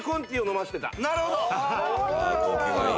なるほど！